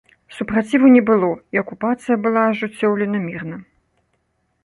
Супраціву не было, і акупацыя была ажыццёўлена мірна.